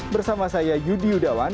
bersama saya yudi yudawan